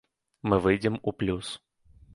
Мы выйдзем у плюс.